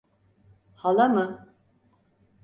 Hala mı?